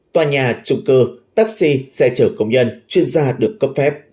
tòa nhà trụng cơ taxi xe chở công nhân chuyên gia được cấp phép